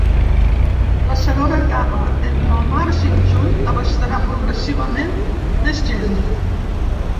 La segona etapa, entre el març i el juny, abastarà progressivament més gent.